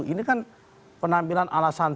ini kan penampilan ala santri banget